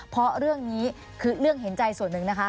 เพราะเรื่องนี้คือเรื่องเห็นใจส่วนหนึ่งนะคะ